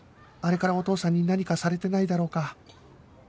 あれからお父さんに何かされてないだろうか？